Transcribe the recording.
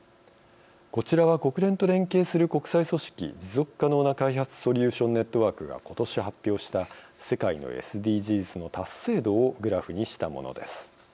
こちらは国連と連携する国際組織持続可能な開発ソリューション・ネットワークが今年発表した、世界のＳＤＧｓの達成度をグラフにしたものです。